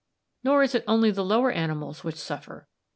Nor is it only the lower animals which suffer.